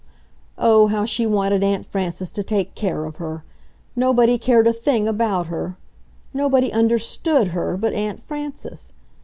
Oh, how she wanted Aunt Frances to take care of her! Nobody cared a thing about her! Nobody UNDERSTOOD her but Aunt Frances!